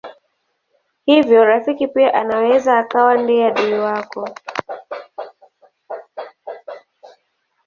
Hivyo rafiki pia anaweza akawa ndiye adui wako.